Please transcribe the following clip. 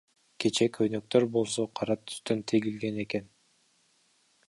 Кече көйнөктөр болсо, кара түстөн тигилген экен.